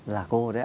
là cô đấy ạ